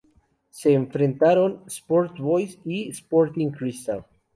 Se enfrentaron Sport Boys y Sporting Cristal.